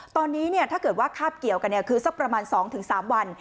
ตอนนี้ถ้าเกิดว่าคาบเกี่ยวกันคือสักประมาณ๒๓วัน